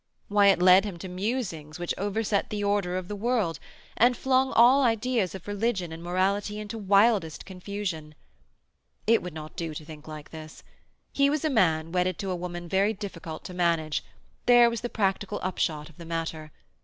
Why, it led him to musings which overset the order of the world, and flung all ideas of religion and morality into wildest confusion. It would not do to think like this. He was a man wedded to a woman very difficult to manage—there was the practical upshot of the matter.